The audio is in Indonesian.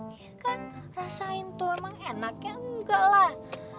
eh kan rasain tuh emang enak ya enggak lah